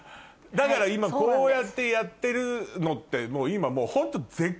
だから今こうやってやってるのって今ホント。